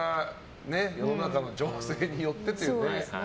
世の中の情勢によってということで。